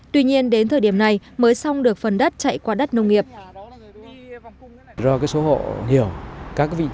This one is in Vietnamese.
tuy nhiên đến thời điểm này mới xong được phần đất chạy qua đất nông nghiệp